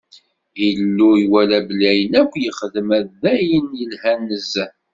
Illu iwala belli ayen akk yexdem d ayen yelhan nezzeh.